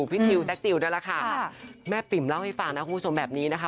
พี่ทิวแจ๊กจิลนั่นแหละค่ะแม่ปิ๋มเล่าให้ฟังนะคุณผู้ชมแบบนี้นะคะ